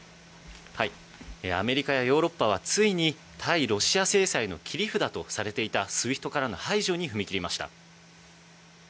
アメリカやヨーロッパは、ついに対ロシア制裁の切り札とされていたＳＷＩＦＴからの排除に踏み切りました。